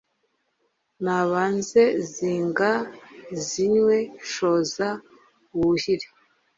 Nabanze Zinga-zinywe, Shoza wuhire,